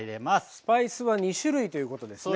スパイスは２種類ということですね。